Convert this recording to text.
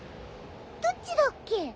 どっちだっけ？